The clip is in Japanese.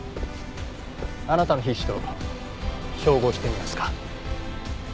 あなたの皮脂と照合してみますか？